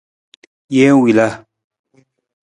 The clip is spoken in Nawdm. Jee wila.